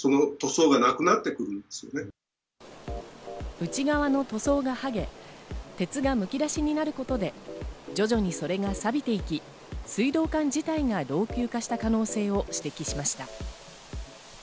内側の塗装がはげ、鉄がむき出しになることで徐々にそれが錆びていき、水道管自体が老朽化した可能性を指摘しました。